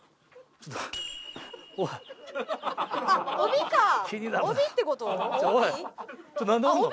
ちょっとなんでおんの？